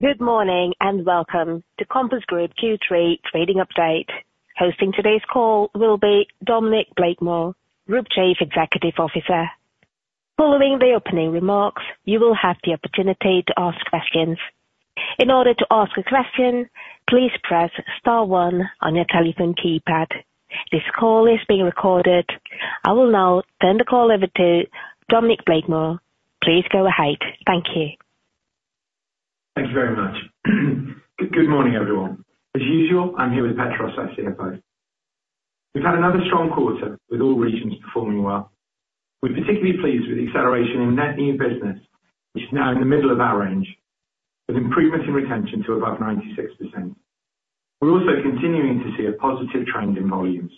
Good morning, and welcome to Compass Group Q3 trading update. Hosting today's call will be Dominic Blakemore, Group Chief Executive Officer. Following the opening remarks, you will have the opportunity to ask questions. In order to ask a question, please press star one on your telephone keypad. This call is being recorded. I will now turn the call over to Dominic Blakemore. Please go ahead. Thank you. Thank you very much. Good morning, everyone. As usual, I'm here with Petros, our CFO. We've had another strong quarter with all regions performing well. We're particularly pleased with the acceleration in net new business, which is now in the middle of our range, with improvements in retention to above 96%. We're also continuing to see a positive trend in volumes.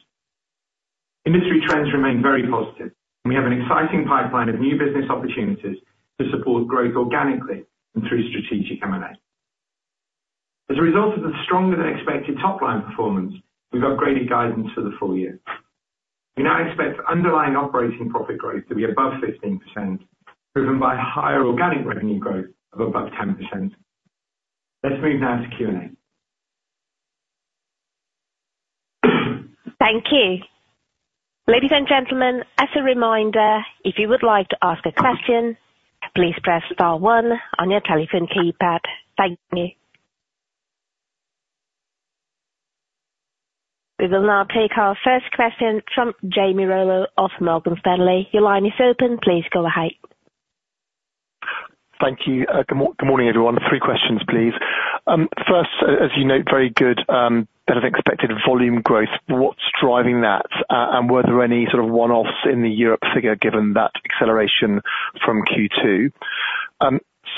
Industry trends remain very positive, and we have an exciting pipeline of new business opportunities to support growth organically and through strategic M&A. As a result of the stronger than expected top line performance, we've upgraded guidance for the full year. We now expect underlying operating profit growth to be above 15%, driven by higher organic revenue growth of above 10%. Let's move now to Q&A. Thank you. Ladies and gentlemen, as a reminder, if you would like to ask a question, please press star one on your telephone keypad. Thank you. We will now take our first question from Jamie Rollo of Morgan Stanley. Your line is open, please go ahead. Thank you, good morning, everyone. Three questions, please. First, as you note, very good, better than expected volume growth. What's driving that? And were there any sort of one-offs in the Europe figure, given that acceleration from Q2?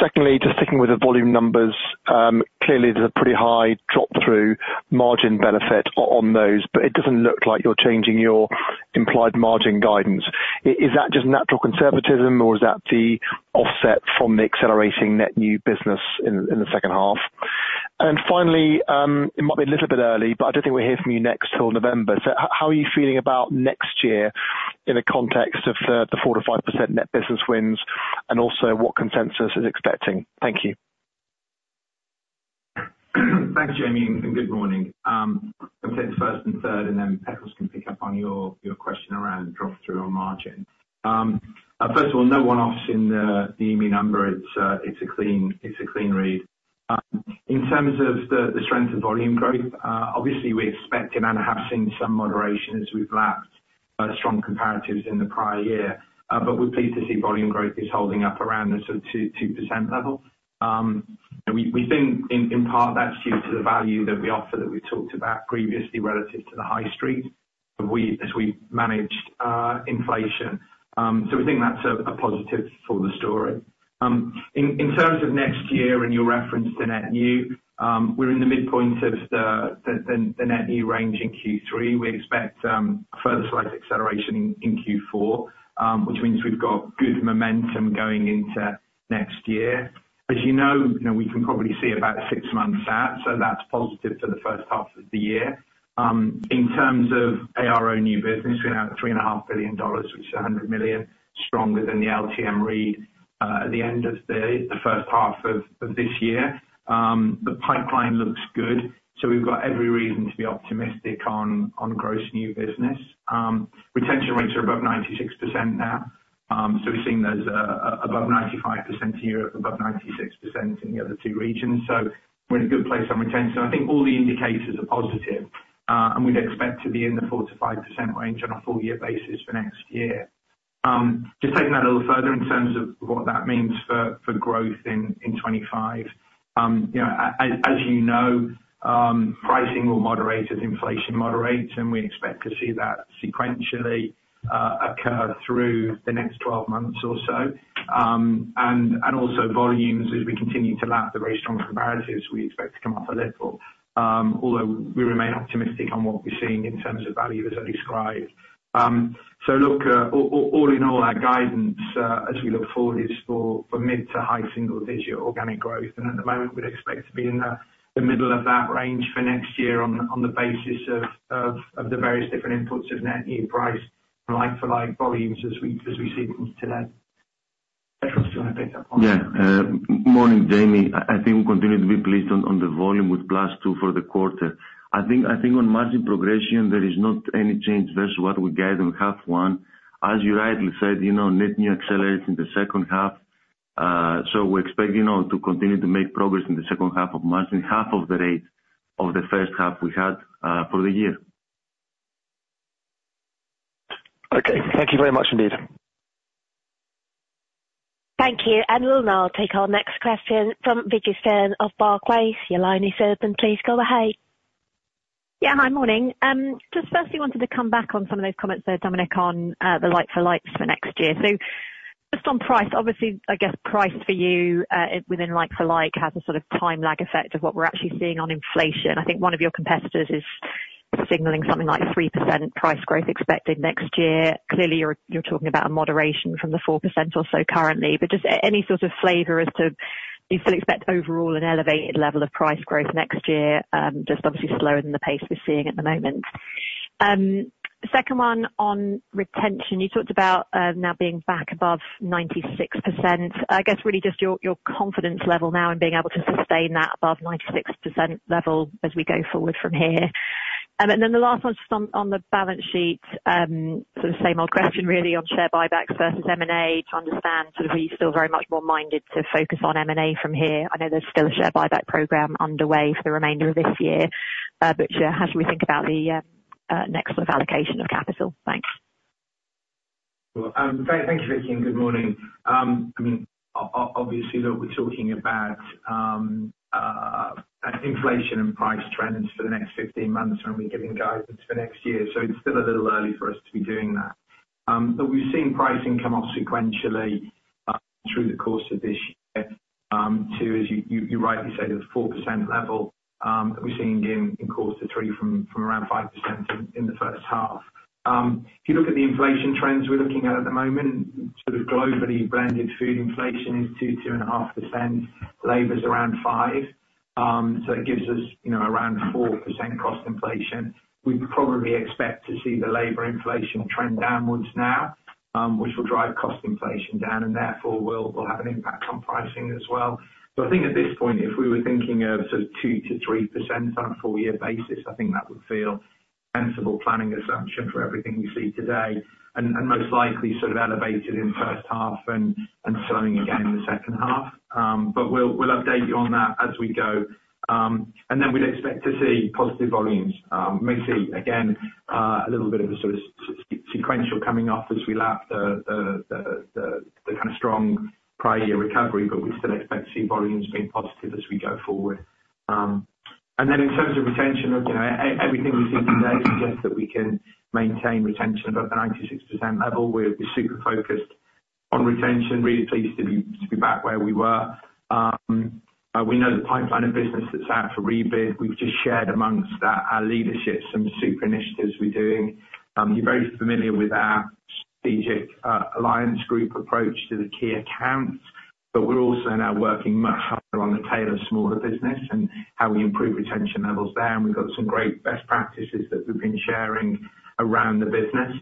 Secondly, just sticking with the volume numbers, clearly there's a pretty high drop-through margin benefit on those, but it doesn't look like you're changing your implied margin guidance. Is that just natural conservatism, or is that the offset from the accelerating net business wins in the second half? And finally, it might be a little bit early, but I don't think we'll hear from you next till November. So how are you feeling about next year in the context of the 4%-5% net business wins, and also what consensus is expecting? Thank you. Thanks, Jamie, and good morning. I'll take the first and third, and then Petros can pick up on your question around drop-through on margin. First of all, no one-offs in the EMEA number. It's a clean read. In terms of the strength of volume growth, obviously we expected and have seen some moderation as we've lapped strong comparatives in the prior year. But we're pleased to see volume growth is holding up around the sort of 2% level. And we think in part that's due to the value that we offer that we talked about previously, relative to the high street as we managed inflation. So we think that's a positive for the story. In terms of next year, and you referenced the net new, we're in the midpoint of the net new range in Q3. We expect a further slight acceleration in Q4, which means we've got good momentum going into next year. As you know, you know, we can probably see about six months out, so that's positive for the first half of the year. In terms of Gross new business, we're going to have $3.5 billion, which is $100 million stronger than the LTM read at the end of the first half of this year. The pipeline looks good, so we've got every reason to be optimistic on gross new business. Retention rates are above 96% now. So we've seen those above 95% in Europe, above 96% in the other two regions. So we're in a good place on retention. I think all the indicators are positive, and we'd expect to be in the 4%-5% range on a full year basis for next year. Just taking that a little further in terms of what that means for growth in 25. You know, as you know, pricing will moderate as inflation moderates, and we expect to see that sequentially occur through the next twelve months or so. And also volumes, as we continue to lap the very strong comparatives we expect to come off a little, although we remain optimistic on what we're seeing in terms of value, as I described. So look, all in all, our guidance, as we look forward, is for mid- to high-single-digit organic growth. At the moment, we'd expect to be in the middle of that range for next year on the basis of the various different inputs of net new price, like-for-like volumes as we see them today. Petros, do you want to pick up on that? Yeah, morning, Jamie. I think we continue to be pleased on the volume with +2 for the quarter. I think on margin progression, there is not any change versus what we guide on half one. As you rightly said, you know, net new accelerates in the second half. So we expect, you know, to continue to make progress in the second half of margin, half of the rate of the first half we had for the year. Okay. Thank you very much indeed. Thank you, and we'll now take our next question from Vicky Stern of Barclays. Your line is open. Please go ahead. Yeah. Hi, morning. Just firstly wanted to come back on some of those comments there, Dominic, on the like-for-like for next year. So just on price, obviously, I guess price for you within like-for-like has a sort of time lag effect of what we're actually seeing on inflation. I think one of your competitors is signaling something like 3% price growth expected next year. Clearly, you're talking about a moderation from the 4% or so currently, but just any sort of flavor as to... Do you still expect overall an elevated level of price growth next year? Just obviously slower than the pace we're seeing at the moment.... Second one on retention. You talked about, now being back above 96%. I guess, really just your confidence level now in being able to sustain that above 96% level as we go forward from here. And then the last one is just on the balance sheet. Sort of same old question really on share buybacks versus M&A, to understand sort of are you still very much more minded to focus on M&A from here? I know there's still a share buyback program underway for the remainder of this year, but how should we think about the next sort of allocation of capital? Thanks. Well, thank you, Vijay, and good morning. I mean, obviously, look, we're talking about, inflation and price trends for the next 15 months, and we're giving guidance for next year, so it's still a little early for us to be doing that. But we've seen pricing come off sequentially, through the course of this year, to, as you rightly said, at the 4% level, that we've seen again in quarter three from, around 5% in, the first half. If you look at the inflation trends we're looking at, at the moment, sort of globally, branded food inflation is 2.5%. Labor's around 5, so it gives us, you know, around 4% cost inflation. We probably expect to see the labor inflation trend downwards now, which will drive cost inflation down, and therefore will have an impact on pricing as well. So I think at this point, if we were thinking of sort of 2%-3% on a full year basis, I think that would feel sensible planning assumption for everything we see today, and most likely sort of elevated in first half and slowing again in the second half. But we'll update you on that as we go. And then we'd expect to see positive volumes, maybe again a little bit of a sort of sequential coming off as we lap the kind of strong prior year recovery, but we still expect to see volumes being positive as we go forward. And then in terms of retention, you know, everything we see today suggests that we can maintain retention above the 96% level. We're super focused on retention, really pleased to be back where we were. We know the pipeline of business that's out for rebid. We've just shared amongst our leadership some super initiatives we're doing. You're very familiar with our strategic alliance group approach to the key accounts, but we're also now working much harder on the tail of smaller business, and how we improve retention levels there. And we've got some great best practices that we've been sharing around the business.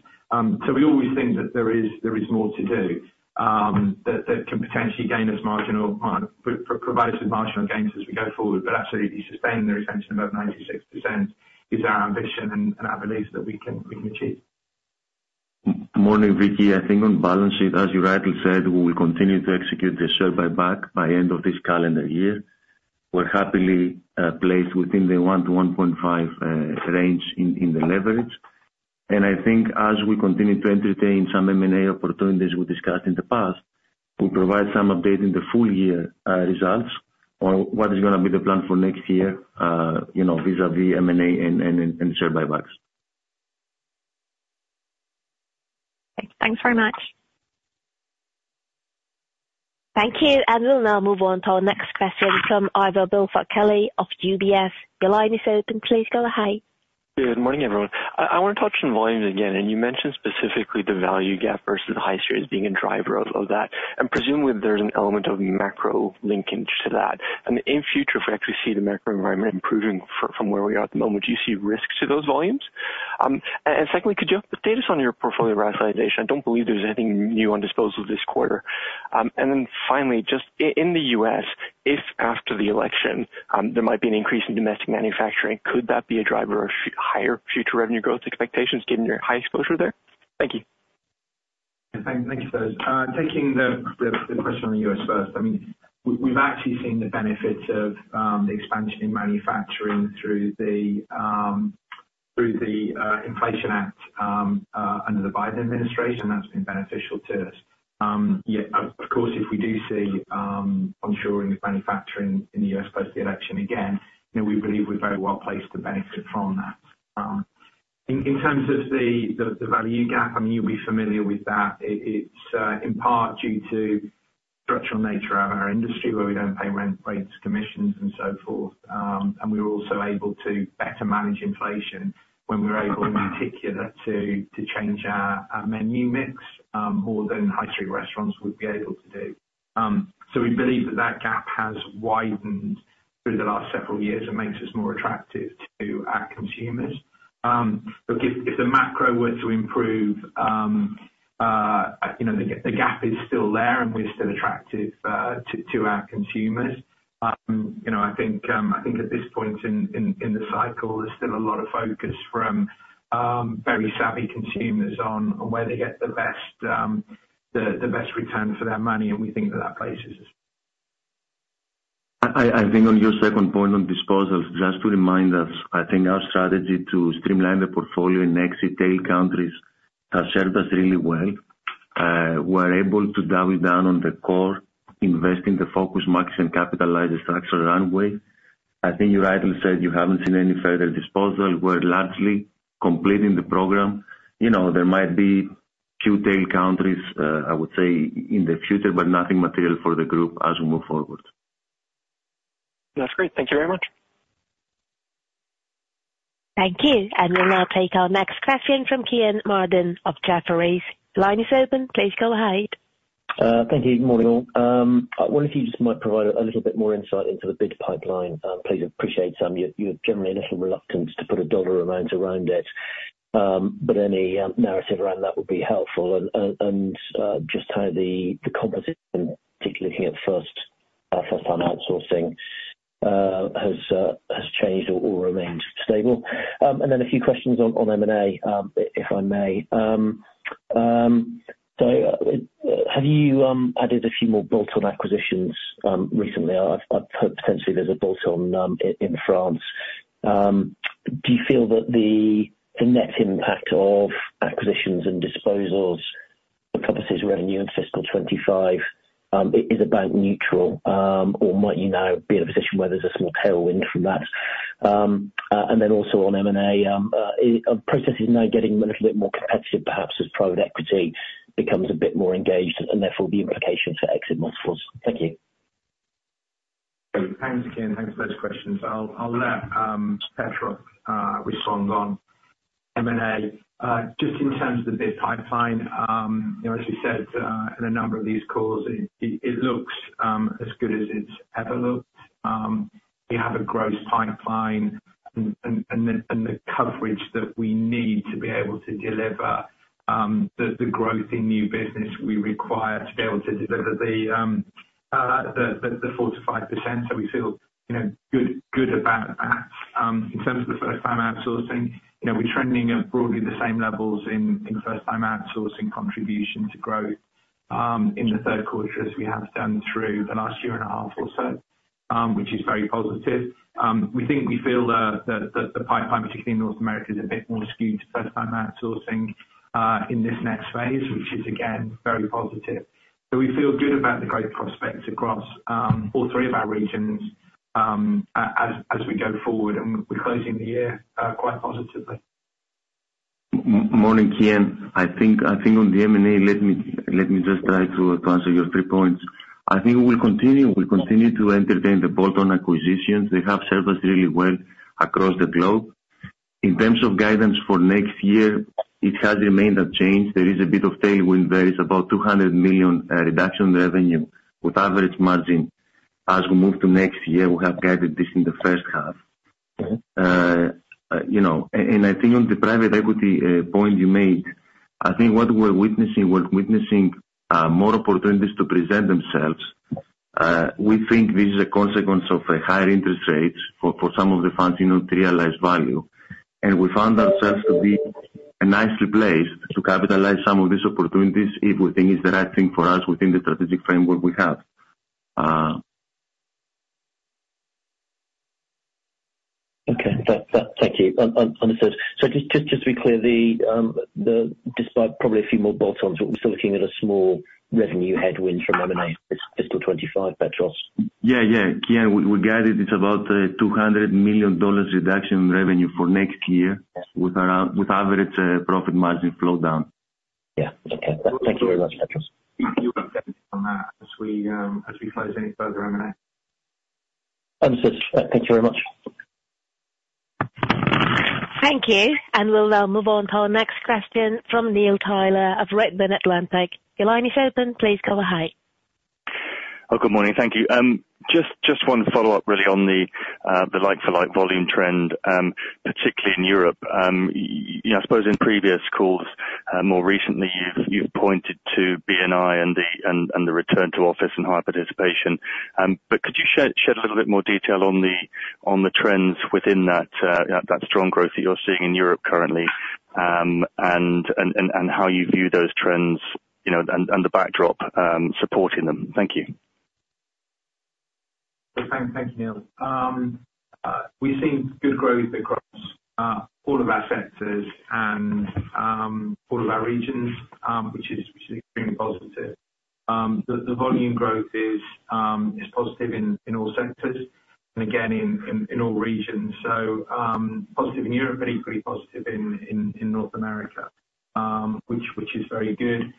So we always think that there is more to do, that can potentially gain us marginal gains as we go forward. But absolutely, sustaining the retention above 96% is our ambition and I believe that we can achieve. Morning, Vicky. I think on balance sheet, as you rightly said, we will continue to execute the share buyback by end of this calendar year. We're happily placed within the 1-1.5 range in the leverage. I think as we continue to entertain some M&A opportunities we discussed in the past, we'll provide some update in the full year results on what is gonna be the plan for next year, you know, vis-a-vis M&A and share buybacks. Thanks very much. Thank you, and we'll now move on to our next question from Ivor Billfould Kelly of UBS. Your line is open. Please go ahead. Good morning, everyone. I wanna touch on volumes again, and you mentioned specifically the value gap versus the high streets being a driver of, of that, and presumably there's an element of macro linkage to that. And in future, if we actually see the macro environment improving from where we are at the moment, do you see risks to those volumes? And secondly, could you update us on your portfolio rationalization? I don't believe there's anything new on disposal this quarter. And then finally, just in the U.S., if after the election, there might be an increase in domestic manufacturing, could that be a driver of higher future revenue growth expectations, given your high exposure there? Thank you. Thank you for those. Taking the question on the U.S. first, I mean, we've actually seen the benefits of the expansion in manufacturing through the Inflation Reduction Act under the Biden administration. That's been beneficial to us. Yeah, of course, if we do see onshoring of manufacturing in the U.S. post the election again, then we believe we're very well placed to benefit from that. In terms of the value gap, I mean, you'll be familiar with that. It's in part due to structural nature of our industry, where we don't pay rent, rates, commissions, and so forth. And we're also able to better manage inflation, when we're able, in particular, to change our menu mix more than high street restaurants would be able to do. So we believe that that gap has widened through the last several years and makes us more attractive to our consumers. But if, if the macro were to improve, you know, the gap is still there, and we're still attractive to our consumers. You know, I think, I think at this point in, in, in the cycle, there's still a lot of focus from very savvy consumers on where they get the best, the best return for their money, and we think that that places us. I think on your second point on disposals, just to remind us, I think our strategy to streamline the portfolio in exit tail countries has served us really well. We're able to double down on the core, invest in the focus markets, and capitalize the structural runway. I think you rightly said you haven't seen any further disposal. We're largely completing the program. You know, there might be two tail countries, I would say in the future, but nothing material for the group as we move forward. That's great. Thank you very much. Thank you, and we'll now take our next question from Kean Marden of Jefferies. Line is open. Please go ahead. ... thank you. Good morning, all. I wonder if you just might provide a little bit more insight into the bid pipeline. You're generally a little reluctant to put a dollar amount around it. But any narrative around that would be helpful. Just how the composition, particularly looking at first-time outsourcing, has changed or remained stable? Then a few questions on M&A, if I may. So, have you added a few more bolt-on acquisitions recently? I've heard potentially there's a bolt-on in France. Do you feel that the net impact of acquisitions and disposals encompasses revenue in fiscal 2025 is about neutral? Or might you now be in a position where there's a small tailwind from that? And then also on M&A, are processes now getting a little bit more competitive, perhaps as private equity becomes a bit more engaged, and therefore the implication for exit multiples. Thank you. Thanks again. Thanks for those questions. I'll let Petros respond on M&A. Just in terms of the bid pipeline, you know, as you said, in a number of these calls, it looks as good as it's ever looked. We have a growth pipeline and the coverage that we need to be able to deliver the growth in new business we require to be able to deliver the 4%-5%. So we feel, you know, good about that. In terms of the first time outsourcing, you know, we're trending at broadly the same levels in first time outsourcing contribution to growth in the third quarter, as we have done through the last year and a half or so, which is very positive. We think we feel that the pipeline, particularly in North America, is a bit more skewed to first time outsourcing in this next phase, which is, again, very positive. So we feel good about the growth prospects across all three of our regions, as we go forward, and we're closing the year quite positively. Morning, Kian. I think, I think on the M&A, let me, let me just try to answer your three points. I think we will continue, we will continue to entertain the bolt-on acquisitions. They have served us really well across the globe. In terms of guidance for next year, it has remained unchanged. There is a bit of tailwind. There is about 200 million reduction in revenue, with average margin. As we move to next year, we have guided this in the first half. Okay. You know, and I think on the private equity point you made, I think what we're witnessing is more opportunities to present themselves. We think this is a consequence of the higher interest rates for some of the funds in order to realize value. And we found ourselves to be nicely placed to capitalize on some of these opportunities if we think it's the right thing for us within the strategic framework we have. Okay. Thank you. Understood. So just to be clear, despite probably a few more bolt-ons, we're still looking at a small revenue headwind from M&A, fiscal 2025, Petros? Yeah, yeah. Kian, we guided it's about $200 million reduction in revenue for next year- Yes. with average profit margin flow down. Yeah. Okay. Thank you very much, Petros. On that, as we close any further M&A. Understood. Thank you very much. Thank you, and we'll now move on to our next question from Neil Tyler of Redburn Atlantic. Your line is open. Please go ahead. Oh, good morning. Thank you. Just, just one follow-up, really, on the like-for-like volume trend, particularly in Europe. You know, I suppose in previous calls, more recently, you've pointed to B2B and the return to office and higher participation. But could you shed a little bit more light on the trends within that strong growth that you're seeing in Europe currently? And how you view those trends, you know, and the backdrop supporting them. Thank you. Thank you, Neil. We've seen good growth across all of our sectors and all of our regions, which is extremely positive. The volume growth is positive in all sectors, and again, in all regions. So, positive in Europe, but equally positive in North America, which is very good.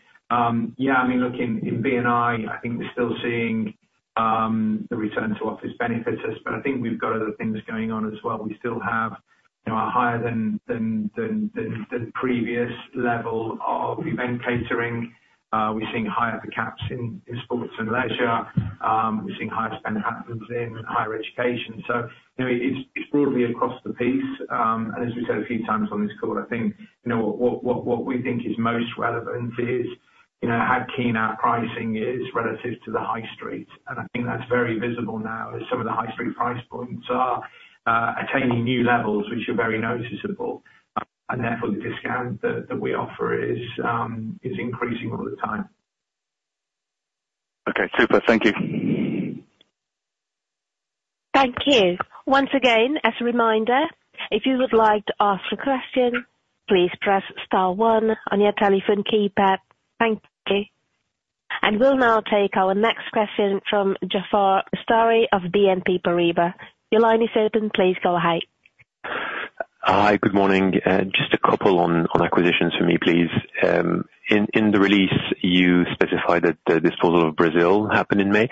Yeah, I mean, look, in B&I, I think we're still seeing the return to office benefits us, but I think we've got other things going on as well. We still have, you know, a higher than previous level of event catering. We're seeing higher caps in sports and leisure. We're seeing higher spend happens in higher education. So you know, it's broadly across the piece. And as we said a few times on this call, I think, you know, what we think is most relevant is, you know, how keen our pricing is relative to the high street. And I think that's very visible now, as some of the high street price points are attaining new levels, which are very noticeable. And therefore, the discount that we offer is increasing all the time. Okay, super. Thank you. Thank you. Once again, as a reminder, if you would like to ask a question, please press star one on your telephone keypad. Thank you. We'll now take our next question from Jafar Istiari of BNP Paribas. Your line is open. Please go ahead. Hi, good morning. Just a couple on acquisitions for me, please. In the release, you specified that the disposal of Brazil happened in May.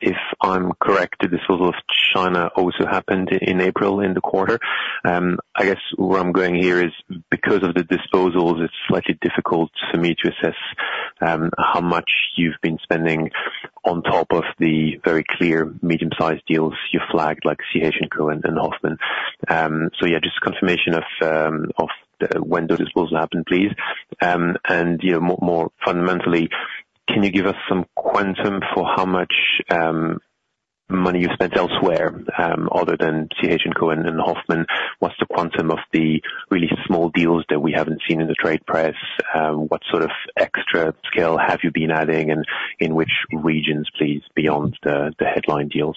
If I'm correct, the disposal of Turkey and China also happened in April, in the quarter. I guess where I'm going here is because of the disposals, it's slightly difficult for me to assess how much you've been spending on top of the very clear medium-sized deals you flagged, like CH&CO and Hofmanns. So yeah, just confirmation of when those disposals happened, please. And you know, more fundamentally, can you give us some quantum for how much money you spent elsewhere, other than CH&CO and Hofmanns? What's the quantum of the really small deals that we haven't seen in the trade press? What sort of extra scale have you been adding, and in which regions, please, beyond the headline deals?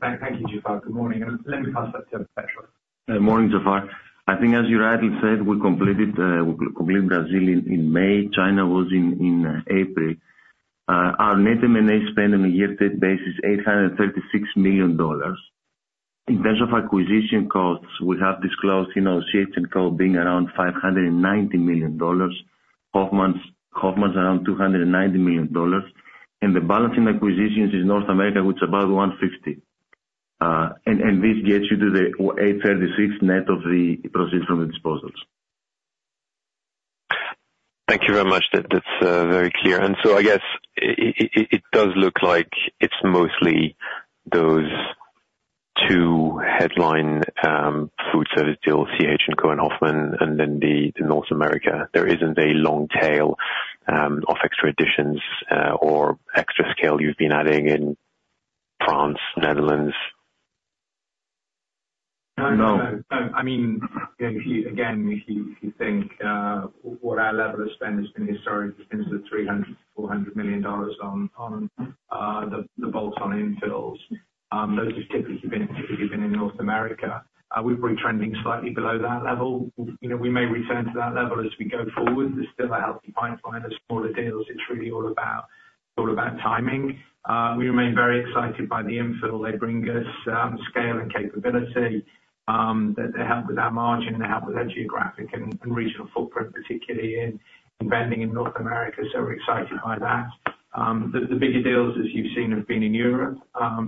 Thank you, Jafar. Good morning. Let me pass that to Petros. Morning, Jafar. I think as you rightly said, we completed, we completed Brazil in May. China was in April. Our net M&A spend on a year-to-date basis, $836 million. In terms of acquisition costs, we have disclosed, you know, CH&CO being around $590 million. Hofmann's, Hofmann's around $290 million, and the balancing acquisitions is North America, which is about $150. And, and this gets you to the eight thirty-six net of the proceeds from the disposals. Thank you very much. That’s very clear. And so I guess it does look like it’s mostly those two headline food service deals, CH&CO and HOFMANNs, and then the North America. There isn’t a long tail of extra additions or extra scale you’ve been adding in France, Netherlands? No. No, no. I mean, if you, again, if you, if you think, what our level of spend has been historically, it's been $300-$400 million on, on, the, the bolt-on infills. Those have typically been, typically been in North America. We've been trending slightly below that level. You know, we may return to that level as we go forward. There's still a healthy pipeline of smaller deals. It's really all about, all about timing. We remain very excited by the infill. They bring us, scale and capability, that they help with our margin, and they help with our geographic and, and regional footprint, particularly in expanding in North America. So we're excited by that. The, the bigger deals, as you've seen, have been in Europe.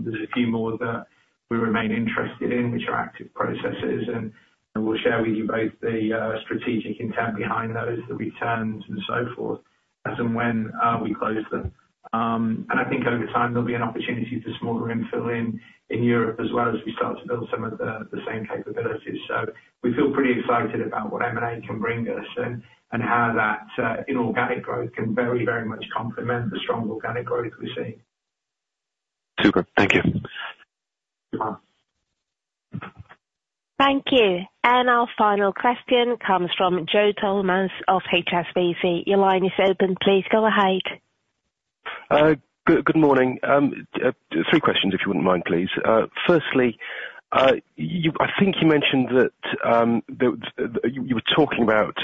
There's a few more that we remain interested in, which are active processes, and we'll share with you both the strategic intent behind those, the returns and so forth, as and when we close them. And I think over time, there'll be an opportunity for smaller infill in Europe, as well, as we start to build some of the same capabilities. So we feel pretty excited about what M&A can bring us and how that inorganic growth can very, very much complement the strong organic growth we see. Super. Thank you. You're welcome. Thank you. Our final question comes from Joe Thomas of HSBC. Your line is open, please go ahead. Good morning. Three questions, if you wouldn't mind, please. Firstly, I think you mentioned that you were talking about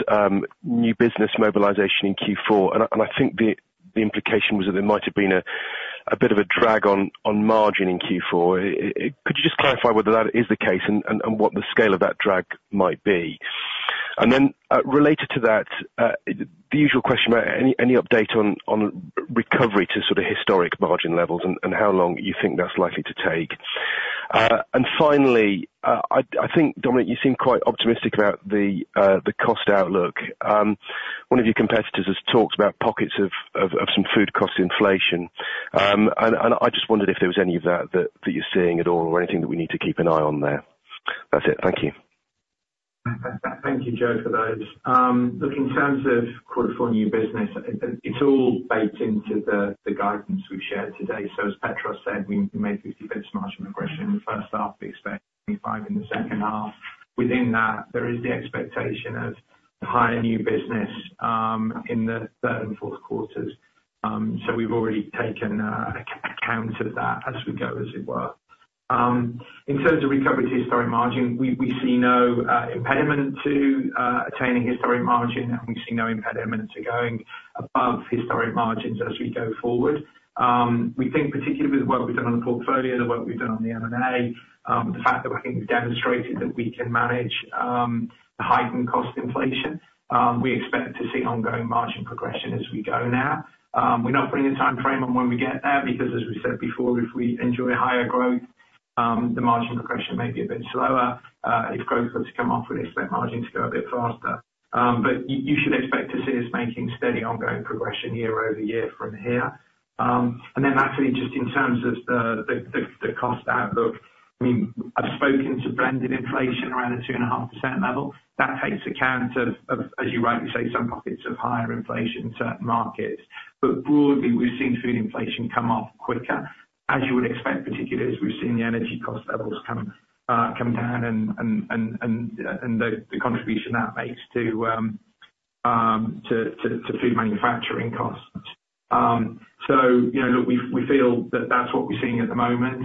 new business mobilization in Q4, and I think the implication was that there might have been a bit of a drag on margin in Q4. Could you just clarify whether that is the case and what the scale of that drag might be? And then, related to that, the usual question about any update on recovery to sort of historic margin levels and how long you think that's likely to take. And finally, I think, Dominic, you seem quite optimistic about the cost outlook. One of your competitors has talked about pockets of some food cost inflation. I just wondered if there was any of that you're seeing at all, or anything that we need to keep an eye on there? That's it. Thank you. Thank you, Joe, for those. Look, in terms of quarter four new business, it's all baked into the guidance we've shared today. So as Petros said, we made a bit of margin progression in the first half, we expect 25 in the second half. Within that, there is the expectation of higher new business in the third and fourth quarters. So we've already taken account of that as we go, as it were. In terms of recovery to historic margin, we see no impediment to attaining historic margin, and we see no impediment to going above historic margins as we go forward. We think particularly with the work we've done on the portfolio, the work we've done on the M&A, the fact that we think we've demonstrated that we can manage the heightened cost inflation, we expect to see ongoing margin progression as we go now. We're not putting a timeframe on when we get there, because, as we said before, if we enjoy higher growth, the margin progression may be a bit slower. If growth were to come off, we'd expect margin to go a bit faster. But you should expect to see us making steady, ongoing progression year-over-year from here. And then actually, just in terms of the cost outlook, I mean, I've spoken to blended inflation around a 2.5% level. That takes account of, as you rightly say, some pockets of higher inflation in certain markets. But broadly, we've seen food inflation come off quicker, as you would expect, particularly as we've seen the energy cost levels come down and the contribution that makes to food manufacturing costs. So, you know, look, we feel that that's what we're seeing at the moment.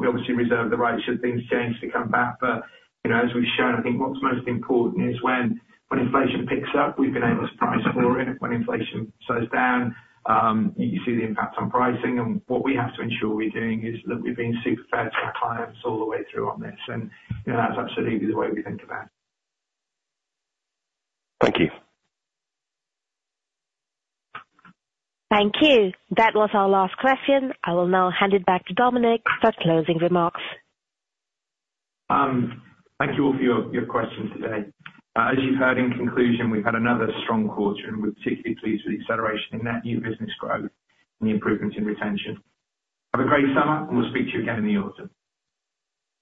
We obviously reserve the right should things change to come back, but, you know, as we've shown, I think what's most important is when inflation picks up, we've been able to price it for it. When inflation slows down, you see the impact on pricing, and what we have to ensure we're doing is that we're being super fair to our clients all the way through on this. You know, that's absolutely the way we think about it. Thank you. Thank you. That was our last question. I will now hand it back to Dominic for closing remarks. Thank you all for your, your questions today. As you've heard, in conclusion, we've had another strong quarter, and we're particularly pleased with the acceleration in that new business growth and the improvements in retention. Have a great summer, and we'll speak to you again in the autumn.